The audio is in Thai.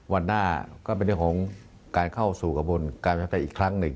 วันหน้าก็เป็นเรื่องของการเข้าสู่กระบุญการชัดใจอีกครั้งหนึ่ง